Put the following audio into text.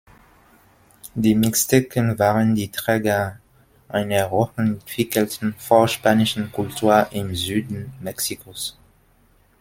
Die Mixteken waren die Träger einer hochentwickelten vorspanischen Kultur im Süden Mexikos.